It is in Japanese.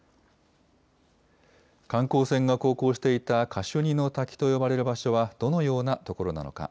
観光船が航行していたカシュニの滝と呼ばれる場所はどのような所なのか。